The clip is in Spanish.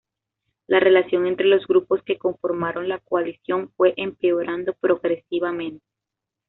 La relación entre los grupos que conformaron la coalición fue empeorando progresivamente.